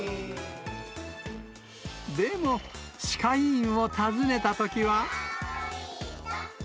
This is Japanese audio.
でも、歯科医院を訪ねたときは。